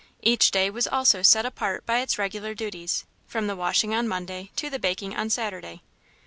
Each day was also set apart by its regular duties, from the washing on Monday to the baking on Saturday.